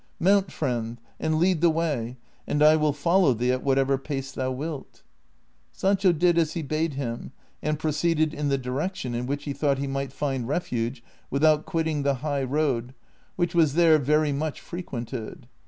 Mount, friend, and lead the way, and I will follow thee at whatever pace thou wilt." Sancho did as he bade him, and proceeded in the direction ill wliich he thought he might find refuge without quitting the high road, which was there very much frequented.